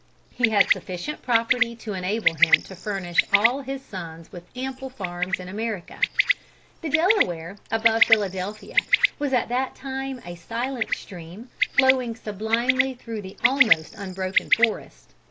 He had sufficient property to enable him to furnish all his sons with ample farms in America. The Delaware, above Philadelphia, was at that time a silent stream, flowing sublimely through the almost unbroken forest.